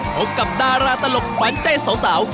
พบกับดาราตลกขวัญใจสาว